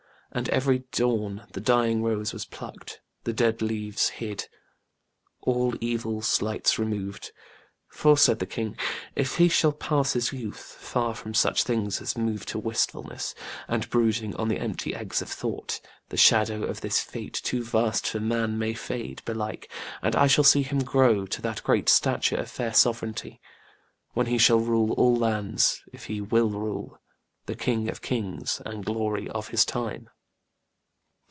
And every dawn the dying rose was plucked, The dead leaves hid, all evil sights removed: For said the king, "If he shall pass his youth Far from such things as move to wistfulness And brooding on the empty eggs of thought, The shadow of this fate, too vast for man, May fade, belike, and I shall see him grow To that great stature of fair sovereignty, When he shall rule all lands if he will rule The king of kings and glory of his time."